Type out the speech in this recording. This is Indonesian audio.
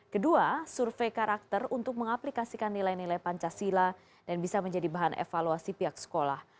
kedua survei karakter untuk mengaplikasikan nilai nilai pancasila dan bisa menjadi bahan evaluasi pihak sekolah